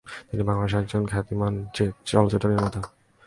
তিনি বাংলাদেশের একজন খ্যাতিমান চলচ্চিত্র নির্মাতা।